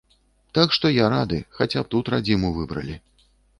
Так што я рады, хаця б тут радзіму выбралі.